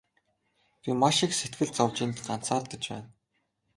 Би маш их сэтгэл зовж энд ганцаардаж байна.